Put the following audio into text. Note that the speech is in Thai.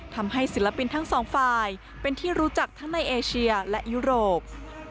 ศิลปินทั้งสองฝ่ายเป็นที่รู้จักทั้งในเอเชียและยุโรป